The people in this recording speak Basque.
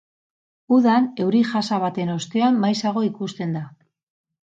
Udan euri-jasa baten ostean maizago ikusten da.